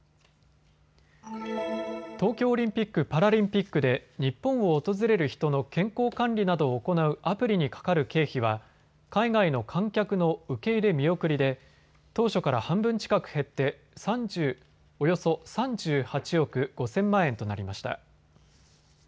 東京オリンピック・パラリンピックで日本を訪れる人の健康管理などを行うアプリにかかる経費は海外の観客の受け入れ見送りで当初から半分近く減っておよそ３８億５０００万円となりました。